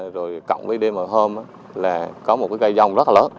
rồi cộng với đêm và hôm là có một cái cây dông rất là lớn